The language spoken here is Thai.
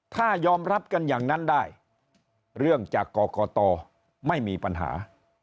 ถ้ายอมรับกันอย่างนั้นได้เรื่องจากกรกตไม่มีปัญหา